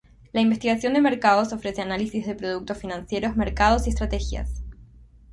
La investigación de mercados ofrece análisis de productos financieros, mercados y estrategias.